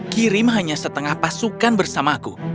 kirim hanya setengah pasukan bersamaku